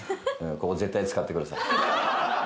ここ絶対使ってください。